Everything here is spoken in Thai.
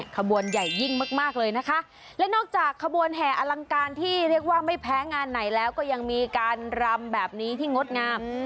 ขบวนใหญ่ยิ่งมากมากเลยนะคะและนอกจากขบวนแห่อลังการที่เรียกว่าไม่แพ้งานไหนแล้วก็ยังมีการรำแบบนี้ที่งดงาม